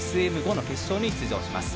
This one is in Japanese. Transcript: ＳＭ５の決勝に出場します。